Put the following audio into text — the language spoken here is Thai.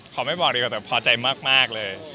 ไม่บอกดีกว่าแต่พอใจมากเลย